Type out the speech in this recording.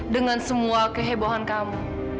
dengan semua kehebohan kamu